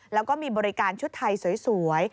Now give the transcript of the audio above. แล้วก็มีบริการชุดไทยสวย